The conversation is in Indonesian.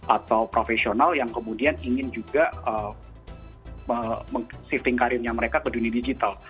atau profesional yang kemudian ingin juga shifting career nya mereka ke dunia digital